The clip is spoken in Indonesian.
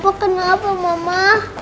apa kenapa mama